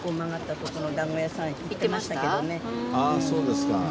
そうですか。